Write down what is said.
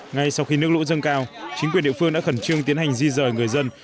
ngay sau khi nước lũ dâng cao chính quyền địa phương đã khẩn trương tiến hành di rời người dân